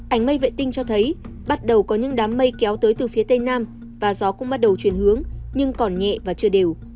ảnh mây vệ tinh cho thấy bắt đầu có những đám mây kéo tới từ phía tây nam và gió cũng bắt đầu chuyển hướng nhưng còn nhẹ và chưa đều